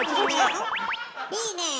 いいねえ！